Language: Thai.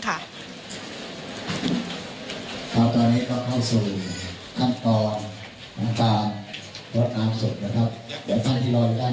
ครั้งตอนนี้เข้าเข้าสู่ขั้นตอนทางตามรถน้ำศบ